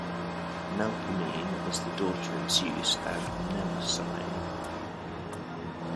Melpomene is the daughter of Zeus and Mnemosyne.